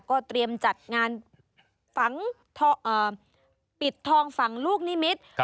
ก็เตรียมจัดงานฝังปิดทองฝังลูกนิมิตร